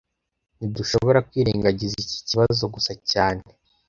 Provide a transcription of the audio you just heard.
Ntidushobora kwirengagiza iki kibazo gusa cyane